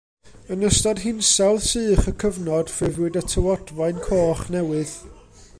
Yn ystod hinsawdd sych y cyfnod ffurfiwyd y Tywodfaen Coch Newydd.